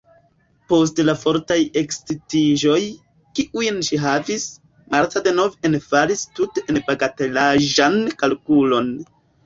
Post la fortaj ekscitiĝoj, kiujn ŝi havis, Marta denove enfalis tute en bagatelaĵan kalkulon.